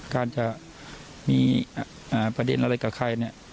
การจะมีประเด็นอะไรกับใครเนี่ย